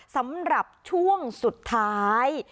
สำหรับช่วงสุดท้าย